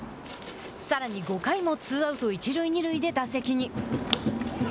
さらに５回もツーアウト一塁二塁で打席に。